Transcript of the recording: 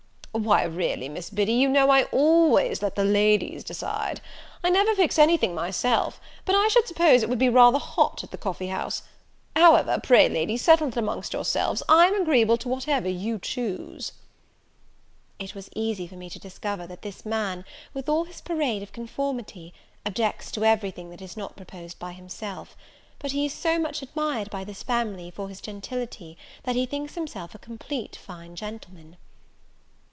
"Why, really, Miss Biddy, you know I always let the ladies decide; I never fix any thing myself; but I should suppose it would be rather hot at the coffee house: however, pray, ladies, settle it among yourselves; I'm agreeable to whatever you choose." It was easy for me to discover, that this man, with all his parade of conformity, objects to every thing that is not proposed by himself: but he is so much admired by this family for his gentility, that he thinks himself a complete fine gentleman!